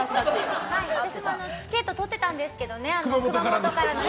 私もチケット取ってたんですけどね